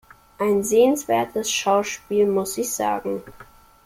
Ein sehenswertes Schauspiel, muss ich sagen.